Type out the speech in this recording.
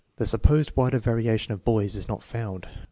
The supposed wider variation of boys is not found.